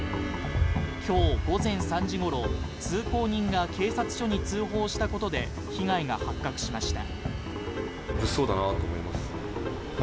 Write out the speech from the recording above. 今日午前３時ごろ、通行人が警察署に通報したことで被害が発覚しました。